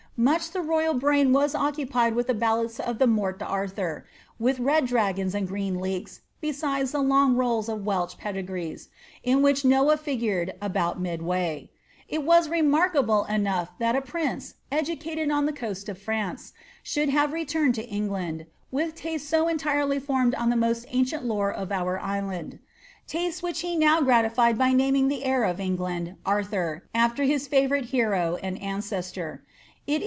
Much the royal brain was occupied with banad* of the Mort d*Artur, with red dragons and green leeks, besides long rolls of Welsh pedigrees, in which Noah figured about midway. Ii wn remarkable enough that a prince, educated on the coasi of Franco, ■boold Itavo letumed to England, with tastes so entirely formed on the most ancieiu Ion of our island : tastes which he now gratified by naming the brir of England Arthur, after his favourite hero and '' I 43 xliiabsth of tork.